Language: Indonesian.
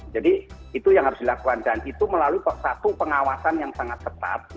jadi itu yang harus dilakukan dan itu melalui satu pengawasan yang sangat tepat